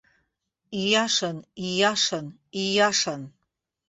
Ииашан, ииашан, ииашан.